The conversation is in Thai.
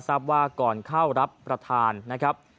จำนวนนักท่องเที่ยวที่เดินทางมาพักผ่อนเพิ่มขึ้นในปีนี้